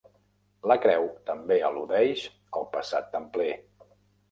La creu també al·ludeix al passat templer.